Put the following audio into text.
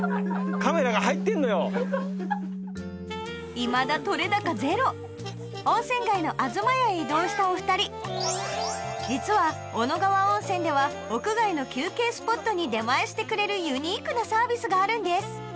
いまだ撮れ高ゼロ温泉街のあずまやへ移動したお二人実は小野川温泉では屋外の休憩スポットに出前してくれるユニークなサービスがあるんです